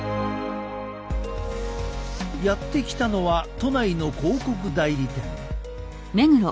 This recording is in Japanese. やって来たのは都内の広告代理店。